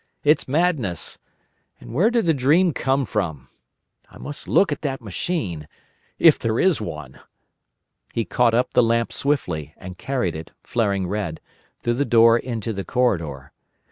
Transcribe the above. It's madness. And where did the dream come from? … I must look at that machine. If there is one!" He caught up the lamp swiftly, and carried it, flaring red, through the door into the corridor.